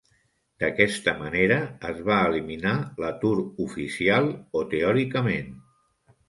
D"aquesta manera, es va eliminar l"atur oficial o teòricament.